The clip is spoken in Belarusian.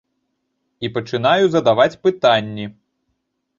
І пачынаю задаваць пытанні.